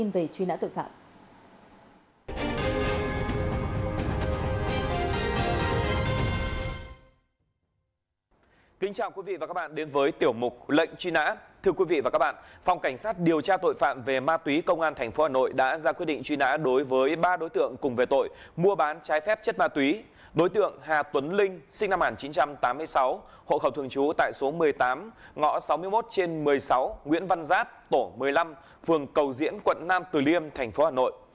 năm một nghìn chín trăm tám mươi sáu hộ khẩu thường trú tại số một mươi tám ngõ sáu mươi một trên một mươi sáu nguyễn văn giáp tổ một mươi năm phường cầu diễn quận nam từ liêm thành phố hà nội